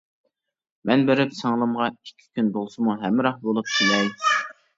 مەن بېرىپ سىڭلىمغا ئىككى كۈن بولسىمۇ ھەمراھ بولۇپ كېلەي.